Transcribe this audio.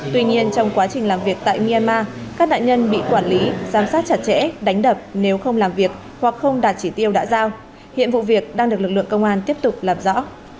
tuy nhiên trong quá trình làm việc tại myanmar các nạn nhân bị quản lý giám sát chặt chẽ đánh đập nếu không làm việc hoặc không đạt chỉ tiêu đã giao hiện vụ việc đang được lực lượng công an tiếp tục lạp rõ